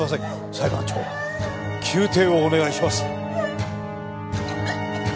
裁判長休廷をお願いします。